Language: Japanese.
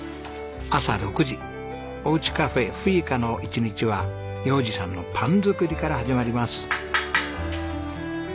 朝６時おうちカフェフィーカの１日は洋治さんのパン作りから始まります。